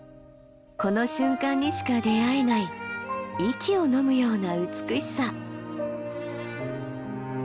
この瞬間にしか出会えない息をのむような美しさ。